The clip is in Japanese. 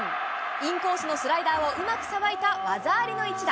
インコースのスライダーをうまくさばいた技ありの一打。